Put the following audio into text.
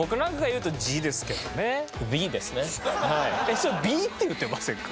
それ「ビ」って言ってませんか？